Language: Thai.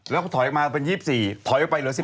แล้วก็ถอยออกมาเป็น๒๔ถอยออกไปเหลือ๑๘